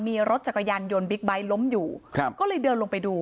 มีรถจักรยานยนต์บิ๊กไบท์ล้มอยู่ครับก็เลยเดินลงไปดู